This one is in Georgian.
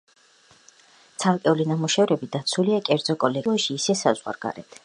ცალკეული ნამუშევრები დაცულია კერძო კოლექციებში როგორც საქართველოში, ისე საზღვარგარეთ.